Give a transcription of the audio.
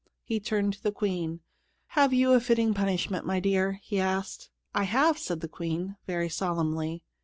He turned to the Queen. "Have you a fitting punishment, my dear?" he asked. "I have," said the Queen, very solemnly.